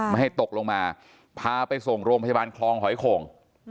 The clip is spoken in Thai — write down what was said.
ไม่ให้ตกลงมาพาไปส่งโรงพยาบาลคลองหอยโข่ง